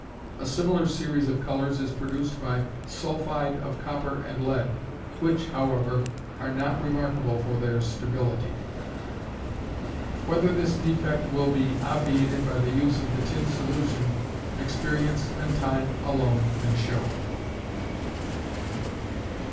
A similar series of colors is produced by sulphide of copper and lead, which, however, are not remarkable for their stability; whether this defect will be obviated by the use of the tin solution, experience and time alone can show.